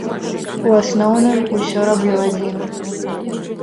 У асноўным ўсё раблю адзін.